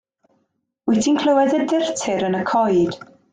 Wyt ti'n clywed y durtur yn y coed?